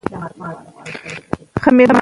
موږ غواړو ټول زده کوونکي لوستي پاتې سي.